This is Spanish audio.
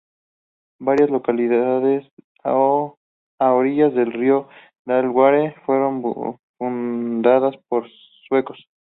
Varias localidades a orillas del río Delaware fueron fundadas por suecos.